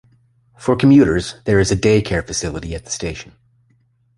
For commuters, there is a day care facility at the station.